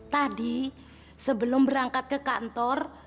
tadi sebelum berangkat ke kantor